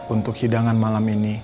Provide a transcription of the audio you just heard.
untuk hidangan malam ini